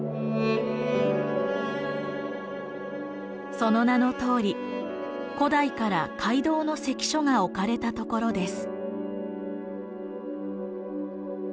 その名のとおり古代から街道の関所が置かれたところです。